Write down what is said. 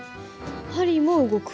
針も動く。